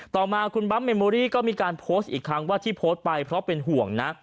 ต่อมาคุณบั๊มเมมโมรี่ก็มีการโพสต์อีกครั้งว่าที่โพสต์ไปเพราะเป็นห่วงนะ